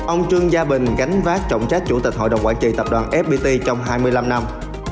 ông trương gia bình gánh vác trọng trách chủ tịch hội đồng quản trị tập đoàn fpt trong hai mươi năm năm